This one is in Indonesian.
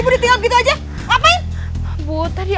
putri kamu kemana putri